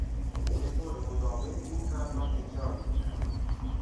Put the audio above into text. به طور مداوم این حرف را تکرار میکرد